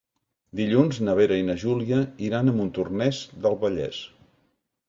Dilluns na Vera i na Júlia iran a Montornès del Vallès.